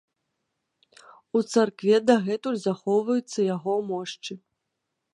У царкве дагэтуль захоўваюцца яго мошчы.